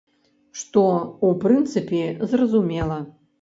Што, у прынцыпе, зразумела.